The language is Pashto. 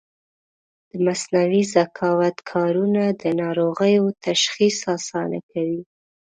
د مصنوعي ذکاوت کارونه د ناروغیو تشخیص اسانه کوي.